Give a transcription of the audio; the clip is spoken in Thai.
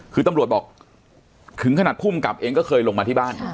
คือตำรวจบอกถึงขนาดภูมิกับเองก็เคยลงมาที่บ้าน